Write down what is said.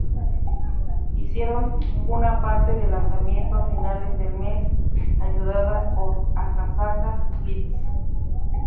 Hicieron una parte del lanzamiento a finales de mes ayudadas por Akasaka Blitz.